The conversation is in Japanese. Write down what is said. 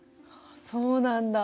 そうなんだ。